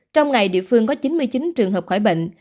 trong ngày địa phương có chín mươi chín trường hợp khỏi bệnh